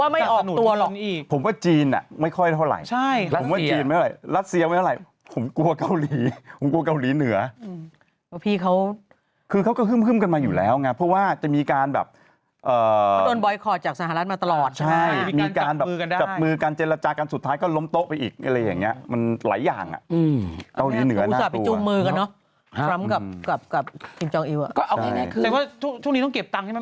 ยังไม่มีใครออกตัวยังไม่มีใครออกตัวยังไม่มีใครออกตัวยังไม่มีใครออกตัวยังไม่มีใครออกตัวยังไม่มีใครออกตัวยังไม่มีใครออกตัวยังไม่มีใครออกตัวยังไม่มีใครออกตัวยังไม่มีใครออกตัวยังไม่มีใครออกตัวยังไม่มีใครออกตัวยังไม่มีใครออกตัวยังไม่มีใครออกตัวยังไม่มีใคร